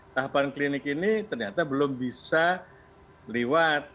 tahapan klinik ini ternyata belum bisa liwat